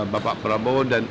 bapak prabowo dan